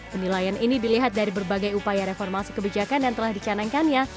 penilaian ini dilihat dari berbagai upaya reformasi kebijakan yang telah dicanangkannya